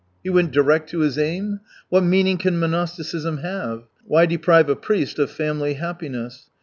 He went direct to his aim ? ^What meaning can monastic ism have ? Why deprive a priest of family happiness